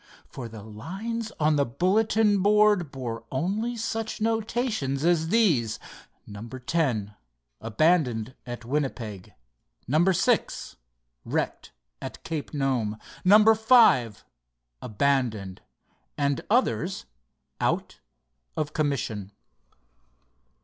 For the lines on the bulletin board bore only such notations as these: "Number ten—abandoned at Winnipeg." "Number six—wrecked at Cape Nome." "Number five—abandoned," and others "out of commission."